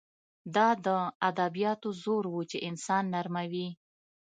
دا د ادبیاتو زور و چې انسان نرموي